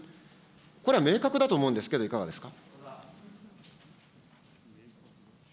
これは明確だと思うんですけど、いかがですか。